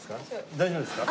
大丈夫ですか？